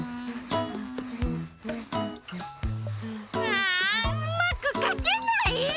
ああうまくかけない！